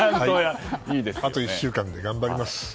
あと１週間で頑張ります。